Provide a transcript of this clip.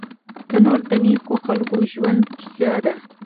تنور د نیکو خلکو د ژوند کیسه ده